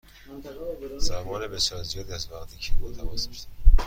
زمان بسیار زیادی است از وقتی که ما تماس داشتیم.